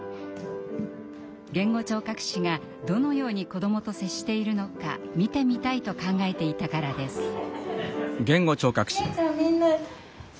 言語聴覚士がどのように子どもと接しているのか見てみたいと考えていたからです。